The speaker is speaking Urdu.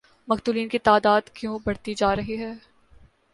مقتولین کی تعداد کیوں بڑھتی جارہی ہے؟